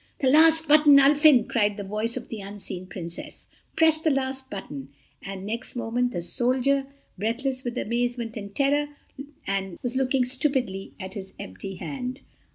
"The last button, Ulfin," cried the voice of the unseen Princess, "press the last button," and next moment the soldier, breathless with amazement and terror, was looking stupidly at his empty hand.